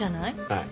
はい。